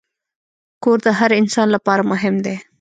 کور د هر انسان لپاره مهم دی.